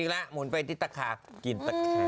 อีกแล้วหมุนไปติ๊กตะคากินตะคา